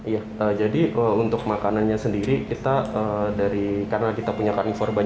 ya jadi untuk makanannya sendiri kita dari karena kita punya karnifor